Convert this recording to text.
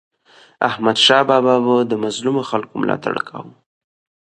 احمدشاه بابا به د مظلومو خلکو ملاتړ کاوه.